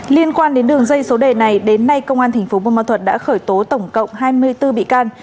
liên quan đến đường dây số đề này đến nay công an tp buôn ma thuật đã khởi tố tổng cộng hai mươi bốn bị can